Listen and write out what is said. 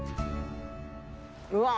うわ。